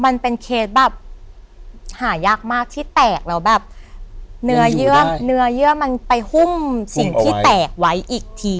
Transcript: เนื้อเยื่อมันไปหุ้มสิ่งที่แตกไว้อีกที